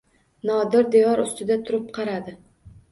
Nodir devor ustida turib qaradi.